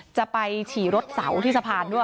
จะไปฉี่รถเสาที่สะพานด้วย